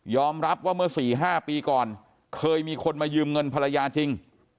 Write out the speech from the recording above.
รับว่าเมื่อ๔๕ปีก่อนเคยมีคนมายืมเงินภรรยาจริง